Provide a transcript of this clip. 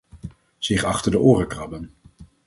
Zich achter de oren krabben.